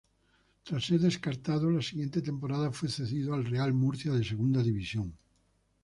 Tras ser descartado, la siguiente temporada fue cedido al Real Murcia de Segunda División.